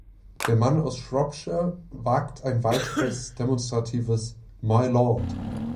Der Mann aus Shropshire wagt ein weiteres demonstratives „Mylord!“